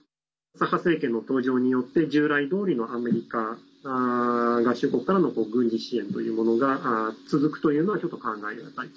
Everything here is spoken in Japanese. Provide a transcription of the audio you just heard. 左派政権の登場によって従来どおりのアメリカ合衆国からの軍事支援というものが続くというのはちょっと考えがたい。